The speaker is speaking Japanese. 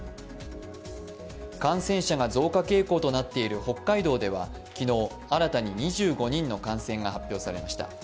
感染者が増加傾向となっている北海道では昨日、新たに２５人の感染が発表されました。